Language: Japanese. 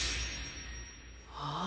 ああ。